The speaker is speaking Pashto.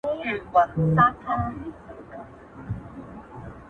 زه به دلته قتل باسم د خپلوانو!